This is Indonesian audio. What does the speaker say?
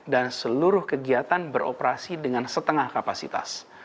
dan seluruh kegiatan beroperasi dengan setengah kapasitas